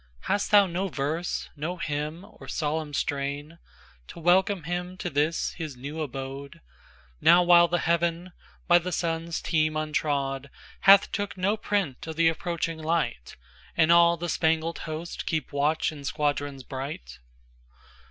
Hast thou no verse, no hymn, or solemn strain, To welcome him to this his new abode, Now while the heaven, by the Sun's team untrod, Hath took no print of the approaching light, And all the spangled host keep watch in squadrons bright?